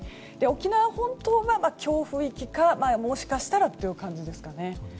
沖縄本島が強風域かもしかしたらという感じですかね。